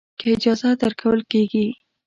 که اجازه درکول کېږي.